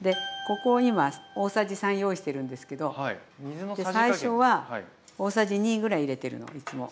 でここに今大さじ３用意してるんですけど最初は大さじ２ぐらい入れてるのいつも。